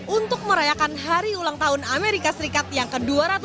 untuk merayakan hari ulang tahun amerika serikat yang ke dua ratus dua puluh